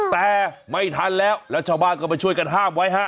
แต่ไม่ทันแล้วแล้วชาวบ้านก็มาช่วยกันห้ามไว้ฮะ